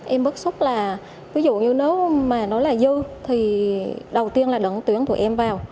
em bất xúc là ví dụ như nếu mà nó là dư thì đầu tiên là đừng tuyển tụi em vào